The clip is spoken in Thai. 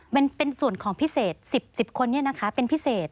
มันเป็นส่วนของพิเศษ๑๐คนนี้นะคะเป็นพิเศษ